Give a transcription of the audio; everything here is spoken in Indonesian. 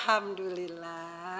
e shh weg semuanya